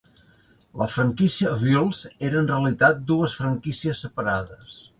La franquícia Bills era en realitat dues franquícies separades.